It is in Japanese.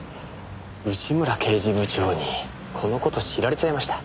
内村刑事部長にこの事知られちゃいました。